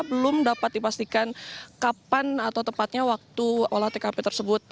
belum dapat dipastikan kapan atau tepatnya waktu olah tkp tersebut